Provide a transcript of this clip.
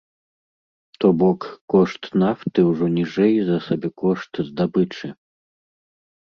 То бок, кошт нафты ўжо ніжэй за сабекошт здабычы.